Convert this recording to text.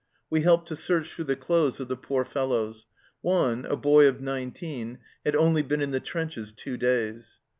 We helped to search through the clothes of the poor fellows. One, a boy of nineteen, had only been in the trenches two days.